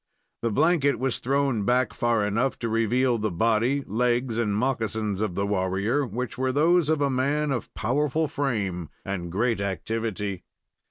The blanket was thrown back far enough to reveal the body, legs and moccasins of the warrior, which were those of a man of powerful frame and great activity.